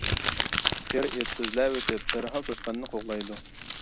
قېرى ئىت سۆزلەۋېتىپ، دەرھاللا توشقاننى قوغلايدۇ.